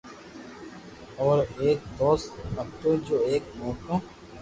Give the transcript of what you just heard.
اورو ايڪ دوست ھتو جو ايڪ موٽو